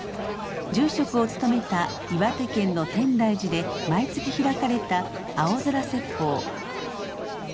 住職をつとめた岩手県の天台寺で毎月開かれた青空説法。